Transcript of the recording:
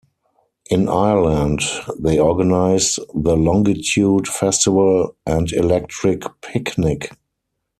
In Ireland they organize the Longitude Festival and Electric Picnic.